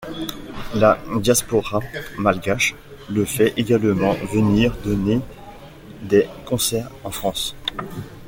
La diaspora malgache le fait également venir donner des concerts en France.